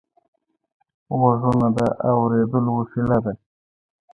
غوږونه د اورېدلو وسیله ده